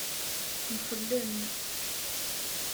Mxellen.